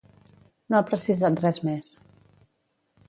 No ha precisat res més.